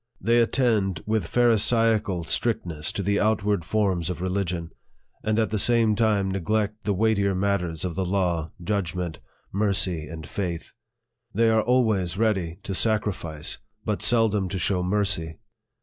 They attend with Pharisaical strictness to the oatward forms of religion, and at the same time neglect the weightier matters of the law, judgment, mercy, and faith. They are always ready to sacrifice, but seldom to show mercy.